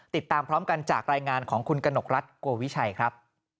ติดตามพร้อมกันจากรายงานของคุณกนกรัฐโกวิชัยครับ